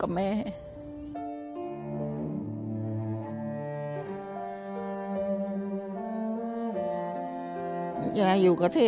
ทำงานชื่อนางหยาดฝนภูมิสุขอายุ๕๔ปี